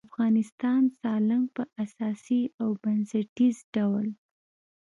د افغانستان سالنګ په اساسي او بنسټیز ډول